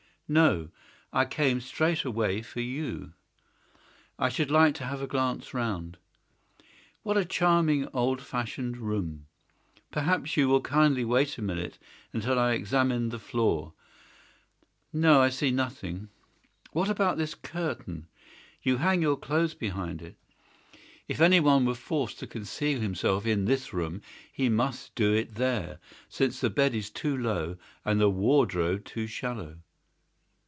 "No; I came straight away for you." "I should like to have a glance round. What a charming, old fashioned room! Perhaps you will kindly wait a minute until I have examined the floor. No, I see nothing. What about this curtain? You hang your clothes behind it. If anyone were forced to conceal himself in this room he must do it there, since the bed is too low and the wardrobe too shallow.